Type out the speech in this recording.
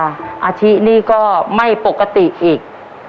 อาทินี่ก็ไม่ปกติอีก